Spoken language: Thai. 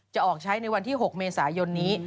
จะออกใช้ในวันที่๖เมษายนนี้